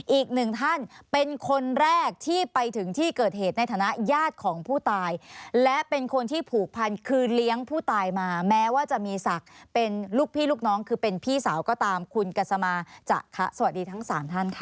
อีกหนึ่งท่านเป็นคนแรกที่ไปถึงที่เกิดเหตุในฐานะญาติของผู้ตายและเป็นคนที่ผูกพันคือเลี้ยงผู้ตายมาแม้ว่าจะมีศักดิ์เป็นลูกพี่ลูกน้องคือเป็นพี่สาวก็ตามคุณกัสมาจะคะสวัสดีทั้งสามท่านค่ะ